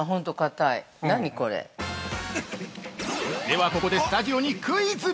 ◆ではここでスタジオにクイズ！